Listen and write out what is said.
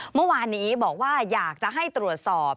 เมื่อวานนี้บอกว่าอยากจะให้ตรวจสอบ